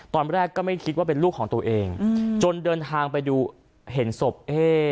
ตอนแรกก็ไม่คิดว่าเป็นลูกของตัวเองจนเดินทางไปดูเห็นศพ